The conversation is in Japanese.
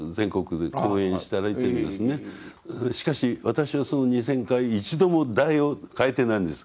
しかし私のその２，０００回一度も題を変えてないんです。